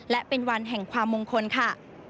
และเป็นวันแห่งความมงคลค่ะ